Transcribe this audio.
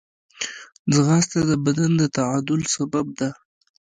ځغاسته د بدن د تعادل سبب ده